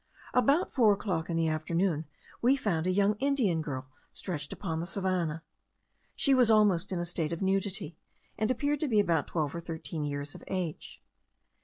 About four o'clock in the afternoon, we found a young Indian girl stretched upon the savannah. She was almost in a state of nudity, and appeared to be about twelve or thirteen years of age.